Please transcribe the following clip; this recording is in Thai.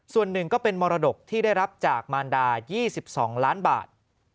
ส่วนหนึ่งก็เป็นมรดกที่ได้รับจากมารดา๒๒ล้านบาท